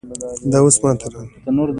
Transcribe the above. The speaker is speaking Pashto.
بېرته مخ په ښار روان شوو.